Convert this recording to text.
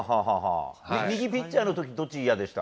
右ピッチャーの時どっちいやでした？